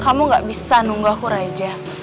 kamu gak bisa nunggu aku raja